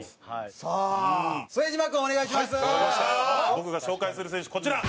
僕が紹介する選手こちら！